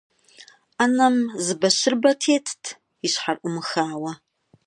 Ӏэнэм зы бащырыбэ тетт, и щхьэр Ӏумыхауэ.